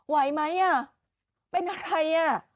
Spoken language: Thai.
ไหวไหมเป็นอะไร